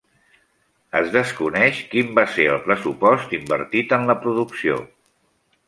Es desconeix quin va ser el pressupost invertit en la producció.